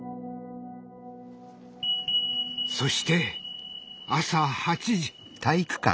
そして朝８時。